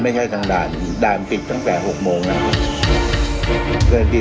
หลายช่องทางด้วยท่านช่องทางท่องกรรมชาติ